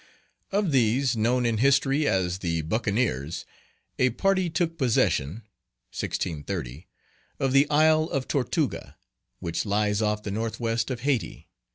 Of these, known in history as the buccaneers, a party took possession (1630) of the isle of Tortuga, which lies off the northwest of Hayti.